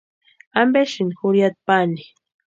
¿Ampesïni jurhiata pani?